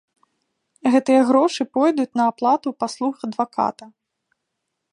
Гэтыя грошы пойдуць на аплату паслуг адваката.